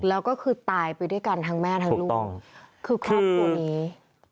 แล้วก็คือตายไปด้วยกันทั้งแม่ทั้งลูกคือครอบครัวนี้